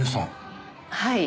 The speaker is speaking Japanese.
はい。